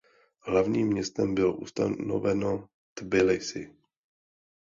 Hlavním městem bylo ustanoveno Tbilisi.